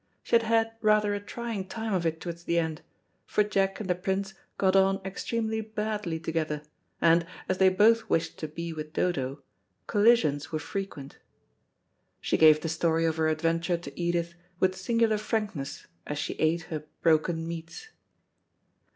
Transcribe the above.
She had had rather a trying time of it towards the end, for Jack and the Prince got on extremely badly together, and, as they both wished to be with Dodo, collisions were frequent. She gave the story of her adventure to Edith with singular frankness as she ate her broken meats.